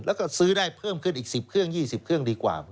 แล้วก็ซื้อได้เพิ่มขึ้นอีก๑๐เครื่อง๒๐เครื่องดีกว่า